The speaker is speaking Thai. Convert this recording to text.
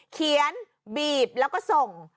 เขียนบีบแล้วก็ส่ง